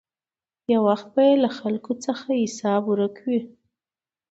یو وخت به یې له خلکو څخه حساب ورک وي.